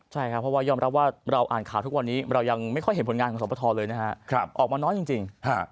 ใช่ครับเพราะว่ายอมรับว่าเราอ่านข่าวทุกวันนี้เรายังไม่ค่อยเห็นผลงานของสอบประทอเลยนะฮะออกมาน้อยจริง